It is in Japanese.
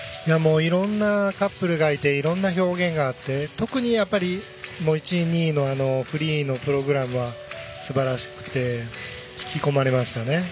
いろんなカップルがいていろんな表現があって特に１位、２位のフリーのプログラムはすばらしくて引き込まれましたね。